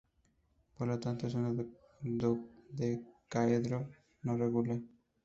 Por lo tanto, es un dodecaedro no regular.